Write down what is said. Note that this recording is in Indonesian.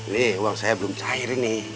nih uang saya belum cair ini